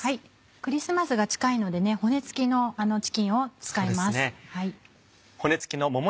クリスマスが近いので骨つきのチキンを使います。